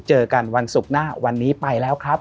เจอกันวันศุกร์หน้าวันนี้ไปแล้วครับ